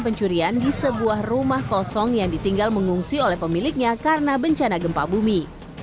pencurian di sebuah rumah kosong yang ditinggal mengungsi oleh pemiliknya karena bencana gempa bumi